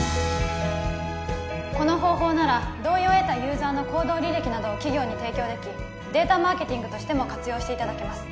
この方法なら同意を得たユーザーの行動履歴などを企業に提供できデータマーケティングとしても活用していただけます